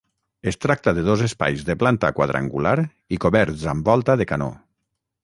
Es tracta de dos espais de planta quadrangular i coberts amb volta de canó.